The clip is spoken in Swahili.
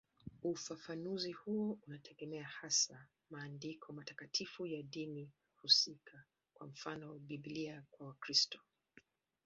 Ufafanuzi huo unategemea hasa maandiko matakatifu ya dini husika, kwa mfano Biblia kwa Wakristo.